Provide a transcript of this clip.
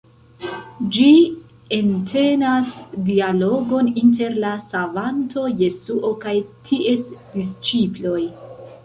Ĝi entenas dialogon inter la Savanto Jesuo kaj ties disĉiploj.